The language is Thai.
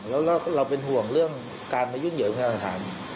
แล้วเราเป็นห่วงเรื่องการมายุ่นเยอะอยู่ในราชาธารณ์